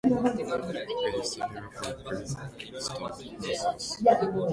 It is similar for prestopped nasals.